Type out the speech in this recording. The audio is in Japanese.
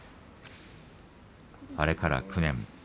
あれから９年。